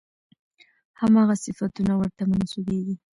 همغه صفتونه ورته منسوبېږي.